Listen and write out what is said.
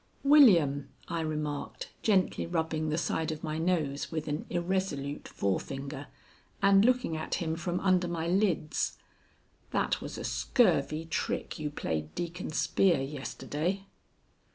"William," I remarked, gently rubbing the side of my nose with an irresolute forefinger and looking at him from under my lids, "that was a scurvy trick you played Deacon Spear yesterday."